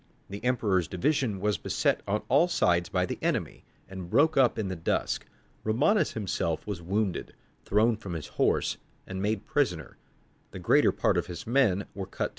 The Emperor's division was beset on all sides by the enemy, and broke up in the dusk. Romanus himself was wounded, thrown from his horse, and made prisoner. The greater part of his men were cut to pieces.